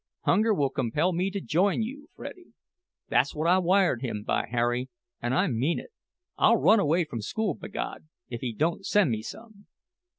Hunger will compel me to join you—Freddie.' Thass what I wired him, by Harry, an' I mean it—I'll run away from school, b'God, if he don't sen' me some."